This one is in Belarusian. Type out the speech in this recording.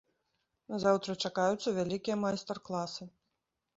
Заўтра чакаюцца вялікія майстар-класы.